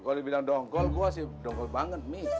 kalo lu bilang donkol gua sih donkol banget